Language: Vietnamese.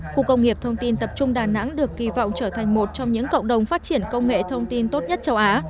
khu công nghiệp thông tin tập trung đà nẵng được kỳ vọng trở thành một trong những cộng đồng phát triển công nghệ thông tin tốt nhất châu á